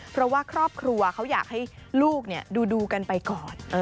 เพราะว่าครอบครัวเขาอยากให้ลูกดูกันไปก่อน